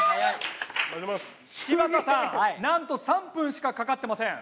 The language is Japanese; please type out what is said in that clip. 柴田さんなんと３分しかかかってません。